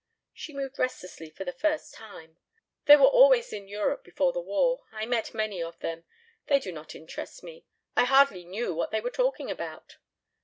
She moved restlessly for the first time. "They were always in Europe before the war. I met many of them. They did not interest me. I hardly knew what they were talking about."